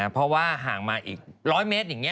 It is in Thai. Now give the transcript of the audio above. เพราะว่าห่างมาอีก๑๐๐เมตรอย่างนี้